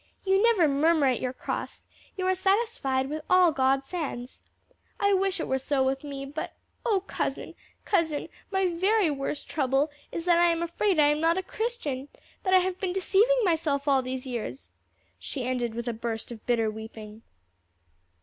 "You never murmur at your cross, you are satisfied with all God sends. I wish it were so with me, but O cousin, cousin, my very worst trouble is that I am afraid I am not a Christian! that I have been deceiving myself all these years!" she ended with a burst of bitter weeping.